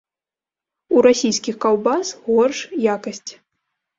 У расійскіх каўбас горш якасць.